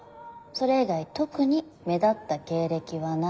それ以外特に目立った経歴はない。